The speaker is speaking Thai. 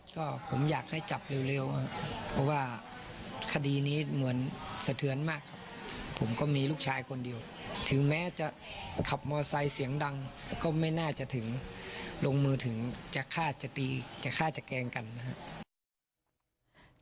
ก็ผมอยากให้จับเร็วครับเพราะว่าคดีนี้เหมือนสะเทือนมากครับผมก็มีลูกชายคนเดียวถึงแม้จะขับมอไซค์เสียงดังก็ไม่น่าจะถึงลงมือถึงจะฆ่าจะตีจะฆ่าจะแกล้งกันนะครับ